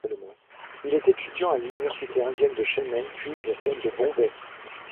Il est étudiant à l'université indienne de Chennai puis à celle de Bombay.